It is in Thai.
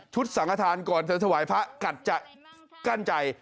ชุดสังฆาธารก่อนสวัสดิ์ภัยพระกันจะกั้นใจ